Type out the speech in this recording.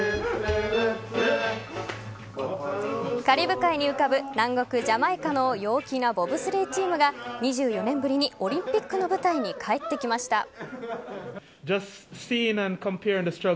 カリブ海に浮かぶ南国・ジャマイカの陽気なボブスレーチームが２４年ぶりにオリンピックの舞台に帰ってきました。